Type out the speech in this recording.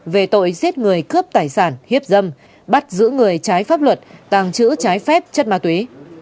về tội giết người cướp tài sản hiếp dâm bắt giữ người trái pháp luật tàng trữ trái phép chất ma túy